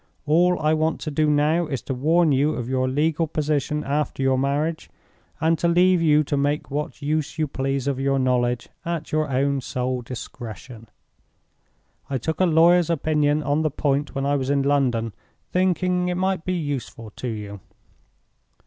All I want to do now is to warn you of your legal position after your marriage, and to leave you to make what use you please of your knowledge, at your own sole discretion. I took a lawyer's opinion on the point when I was in London, thinking it might be useful to you."